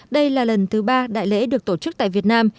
đây là lần thứ ba đại lễ được tổ chức tại việt nam